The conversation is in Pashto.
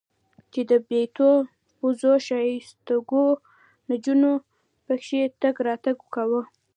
چې د پيتو پوزو ښايستوکو نجونو پکښې تګ راتګ کاوه.